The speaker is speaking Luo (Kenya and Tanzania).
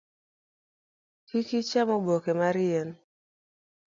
Kik icham oboke mar yien.